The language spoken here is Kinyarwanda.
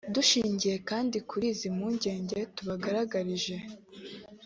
Dushingiye kandi kuri izi mpungenge tubagaragarije